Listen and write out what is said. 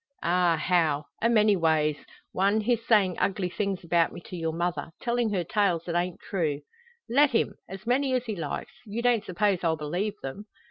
"Ah, how! A many ways. One, his sayin' ugly things about me to your mother tellin' her tales that ain't true." "Let him as many as he likes; you don't suppose I'll believe them?"